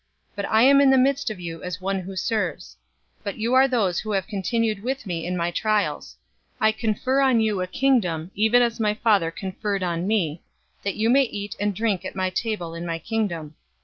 But I am in the midst of you as one who serves. 022:028 But you are those who have continued with me in my trials. 022:029 I confer on you a kingdom, even as my Father conferred on me, 022:030 that you may eat and drink at my table in my Kingdom.